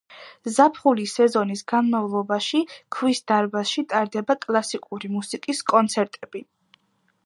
ზაფხულის სეზონის განმავლობაში, ქვის დარბაზში ტარდება კლასიკური მუსიკის კონცერტები.